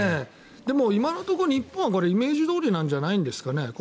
でも今のところ日本はイメージどおりじゃないんですかね